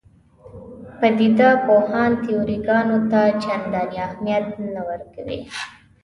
پدیده پوهان تیوري ګانو ته چندانې اهمیت نه ورکوي.